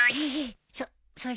そそれは。